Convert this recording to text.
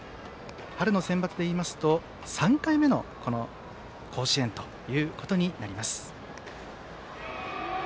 春のセンバツでいいますと３回目の甲子園となります。